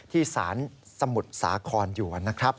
ที่สารสมุทรสาครอยู่